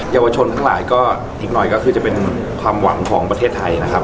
เยาวชนทั้งหลายก็อีกหน่อยก็คือจะเป็นความหวังของประเทศไทยนะครับ